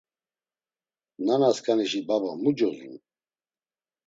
Nanasǩanişi baba mu cozun?